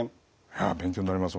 勉強になります